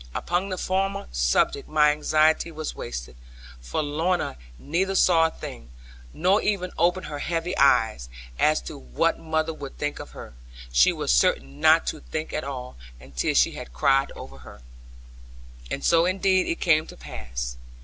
Upon the former subject my anxiety was wasted, for Lorna neither saw a thing, nor even opened her heavy eyes. And as to what mother would think of her, she was certain not to think at all, until she had cried over her. And so indeed it came to pass.